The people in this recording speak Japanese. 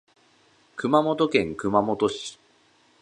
熊本県熊本市